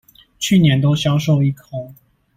去年都銷售一空